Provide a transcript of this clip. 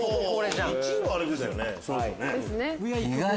１位はあれですよね。